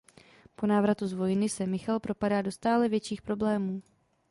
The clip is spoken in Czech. Po návratu z vojny se Michal propadá do stále větších problémů.